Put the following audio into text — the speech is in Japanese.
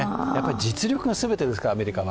実力が全てですから、アメリカは。